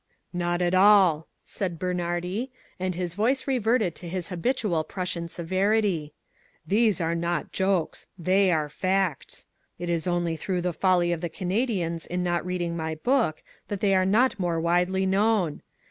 "Not at all," said Bernhardi, and his voice reverted to his habitual Prussian severity, "these are not jokes. They are facts. It is only through the folly of the Canadians in not reading my book that they are not more widely known.